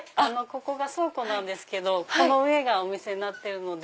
ここが倉庫なんですけどこの上がお店になってるので。